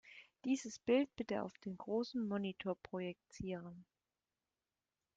Dieses Bild bitte auf den großen Monitor projizieren.